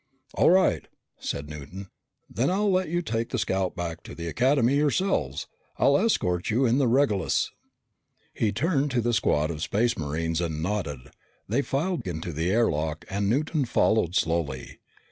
"All right," said Newton. "Then I'll let you take the scout back to the Academy yourselves. I'll escort you in the Regulus." He turned to the squad of Space Marines and nodded. They filed into the air lock and Newton followed slowly.